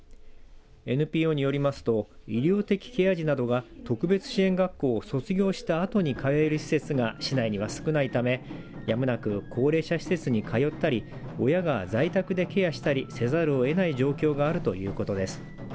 ＮＰＯによりますと医療的ケア児などが特別支援学校を卒業したあとに通える施設が市内には少ないためやむなく高齢者施設に通ったり親が在宅でケアしたりせざるをえない状況があるということです。